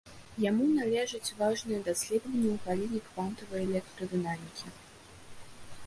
Яму належаць важныя даследаванні ў галіне квантавай электрадынамікі.